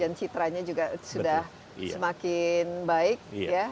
dan citranya juga sudah semakin baik iya